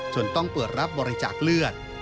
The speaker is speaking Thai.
ต้องเปิดรับบริจาคเลือด